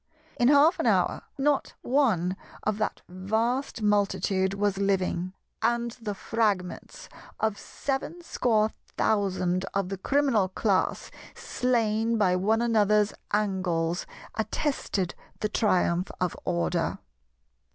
In half an hour not one of that vast multitude was living; and the fragments of seven score thousand of the Criminal Class slain by one another's angles attested the triumph of Order.